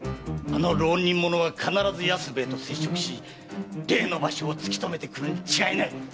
あの浪人者は必ず安兵衛と接触し例の場所を突き止めてくるに違いない。